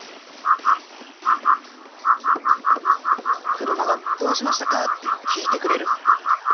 車が「どうしましたか？」って聞いてくれる。